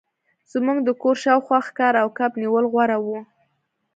زموږ د کور شاوخوا ښکار او کب نیول غوره وو